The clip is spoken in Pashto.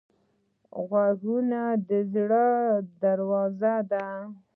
غوږونه د زړه دروازه ده